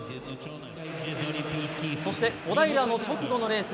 そして小平の直後のレース